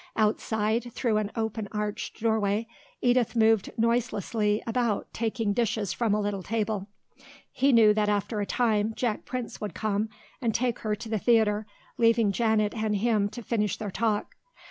Outside, through an open arched doorway, Edith moved noiselessly about taking dishes from a little table. He knew that after a time Jack Prince would come and take her to the theatre, leaving Janet and him to finish their talk.